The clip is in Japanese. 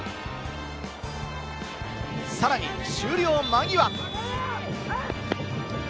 さらに終了間際。